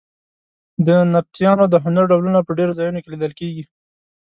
د نبطیانو د هنر ډولونه په ډېرو ځایونو کې لیدل کېږي.